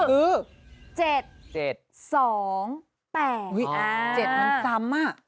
อุ้ย๗มันซ้ำอ่ะ